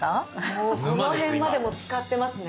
もうこの辺までつかってますね。